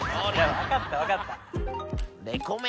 分かった分かった。